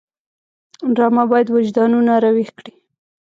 ډرامه باید وجدانونه راویښ کړي